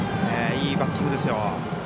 いいバッティングですよ。